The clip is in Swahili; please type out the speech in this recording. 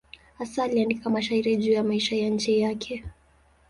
Hasa aliandika mashairi juu ya maisha ya nchi yake.